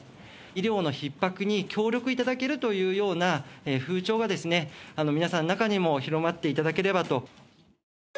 医療のひっ迫に協力いただけるというような風潮が皆さんの中にも広まっていただければと。